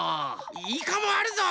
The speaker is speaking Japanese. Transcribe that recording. イカもあるぞ！